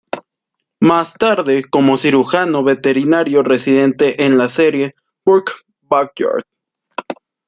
Más tarde como cirujano veterinario residente en la serie "Burke Backyard".